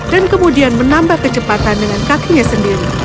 dan kemudian menambah kecepatan dengan kakinya sendiri